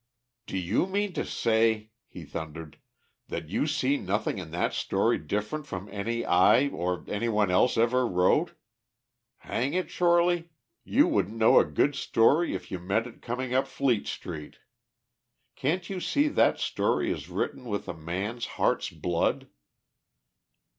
"Do you mean to say," he thundered, "that you see nothing in that story different from any I or any one else ever wrote? Hang it, Shorely, you wouldn't know a good story if you met it coming up Fleet Street! Can't you see that story is written with a man's heart's blood?"